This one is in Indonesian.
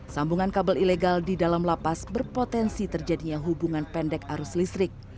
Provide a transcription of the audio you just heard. sambungan kabel ilegal di dalam lapas berpotensi terjadinya hubungan pendek arus listrik